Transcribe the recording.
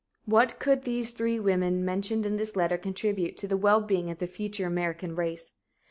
What could the three women mentioned in this letter contribute to the wellbeing of the future American race?